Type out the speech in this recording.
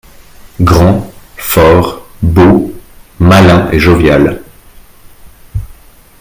Grand, fort, beau, malin et jovial